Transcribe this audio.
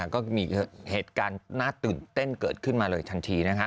ก็มีเหตุการณ์น่าตื่นเต้นเกิดขึ้นมาเลยทันที